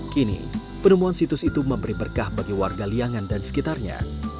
kini penemuan situs itu memberi berkah bagi warga liangan dan sekitarnya